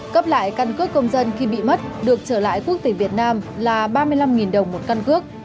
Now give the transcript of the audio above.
cấp lại căn cước công dân khi bị mất được trở lại quốc tịch việt nam là ba mươi năm đồng một căn cước